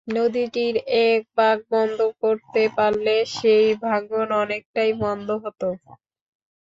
নদীটির একটি বাঁক বন্ধ করতে পারলে সেই ভাঙন অনেকটাই বন্ধ হতো।